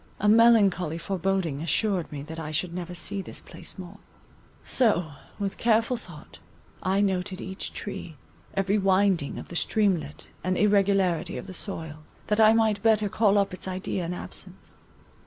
A melancholy foreboding assured me that I should never see this place more; so with careful thought, I noted each tree, every winding of the streamlet and irregularity of the soil, that I might better call up its idea in absence.